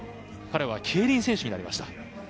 彼は競輪選手になりました。